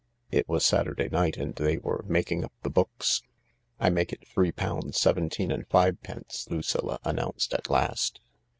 It was Saturday night, and they were "irfakirtg up thb books." " I make it three pounds seventeen and fivepence," Lucilla announced at last.